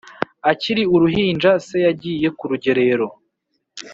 Akiri uruhinja, se yagiye ku rugerero